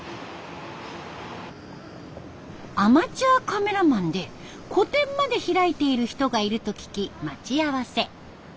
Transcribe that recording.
アマチュアカメラマンで個展まで開いている人がいると聞き待ち合わせ。